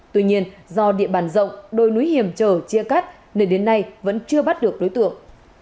tuy nhiên do địa bàn rộng đồi núi hiểm trở chia cắt nên đến nay vẫn chưa bắt được đối tượng